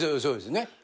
そうですね。